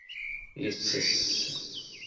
Yettess.